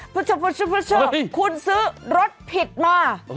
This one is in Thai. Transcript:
ผู้ชมคุณซื้อรถผิดมา